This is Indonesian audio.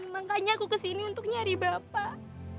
makanya aku kesini untuk nyari bapak